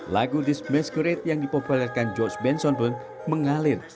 lagu this masquerade yang dipopulerkan george benson pun mengalir